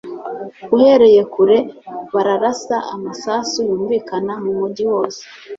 Uhereye kure, bararasa amasasu yumvikana mu mujyi wose.